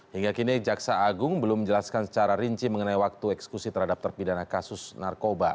hingga kini jaksa agung belum menjelaskan secara rinci mengenai waktu eksekusi terhadap terpidana kasus narkoba